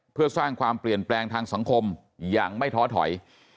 เพื่อสร้างความเปลี่ยนแปลงทางสังคมอย่างไม่ท้อถอย